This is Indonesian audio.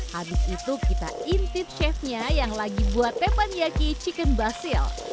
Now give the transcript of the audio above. habis itu kita intip chefnya yang lagi buat tepaniaki chicken basil